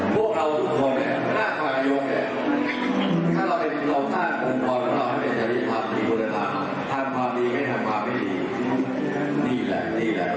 ก็ค่ะ